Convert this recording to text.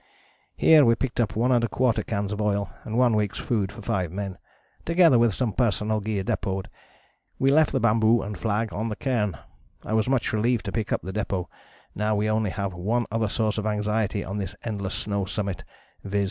Here we picked up 1¼ cans of oil and one week's food for five men, together with some personal gear depôted. We left the bamboo and flag on the cairn. I was much relieved to pick up the depôt: now we only have one other source of anxiety on this endless snow summit, viz.